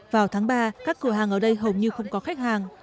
vào tháng ba các cửa hàng ở đây hầu như không có khách hàng